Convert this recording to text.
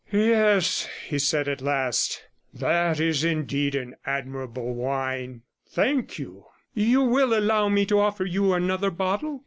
'Yes,' he said at last, 'that is indeed an admirable wine. Thank you; you will allow me to offer you another bottle?'